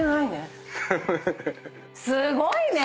すごいね！